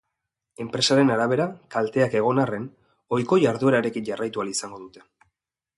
Enpresaren arabera, kalteak egon arren, ohiko jarduerarekin jarraitu ahal izango dute.